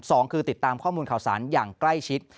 สองคือติดตามข้อมูลข่าวสารอย่างใกล้ชิด